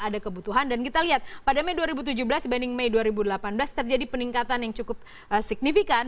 ada kebutuhan dan kita lihat pada mei dua ribu tujuh belas dibanding mei dua ribu delapan belas terjadi peningkatan yang cukup signifikan